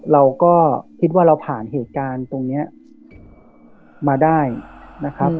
เราก็คิดว่าเราผ่านเหตุการณ์ตรงนี้มาได้นะครับ